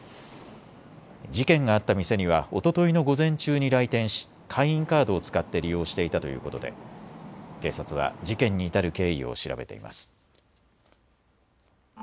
事件があった店にはおとといの午前中に来店し会員カードを使って利用していたということで警察は事件に至る経緯を調べています。